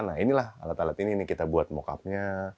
nah inilah alat alat ini nih kita buat mock up nya